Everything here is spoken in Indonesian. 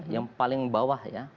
yang paling bawah ya